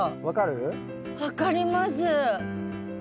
分かります。